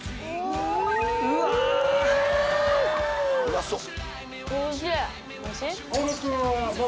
うまそう！